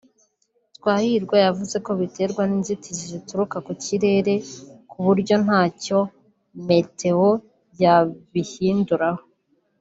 Twahirwa yavuze ko biterwa n’inzitizi zituruka ku ikirere ku buryo ntacyo Meteo yabuhinduraho